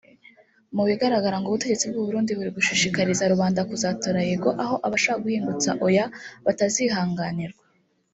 Mu bigaragara ngo ubutegetsi bw’u Burundi buri gushishikariza rubanda kuzatora ‘yego’ aho abashaka guhingutsa ‘oya’ batazihanganirwa